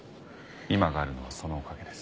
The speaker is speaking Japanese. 今があるのはそのおかげです。